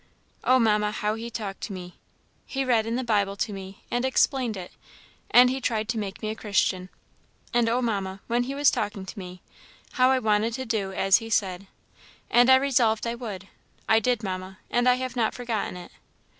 Oh, Mamma, how he talked to me! He read in the Bible to me, and explained it, and he tried to make me a Christian. And oh! Mamma, when he was talking to me, how I wanted to do as he said! and I resolved I would. I did, Mamma, and I have not forgotten it.